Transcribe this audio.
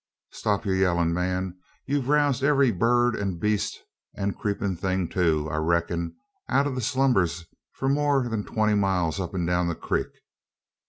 Stop yur yellin', man! Ye've rousted every bird an beast, an creepin' thing too, I reckon, out o' thar slumbers, for more an twenty mile up an down the crik.